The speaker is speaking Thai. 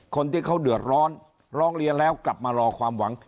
คนที่เขาเดือดร้อนร้องเรียนแล้วกลับมารอความหวัง